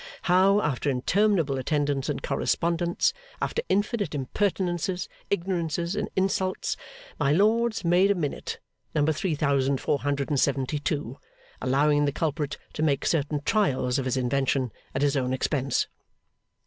How, after interminable attendance and correspondence, after infinite impertinences, ignorances, and insults, my lords made a Minute, number three thousand four hundred and seventy two, allowing the culprit to make certain trials of his invention at his own expense.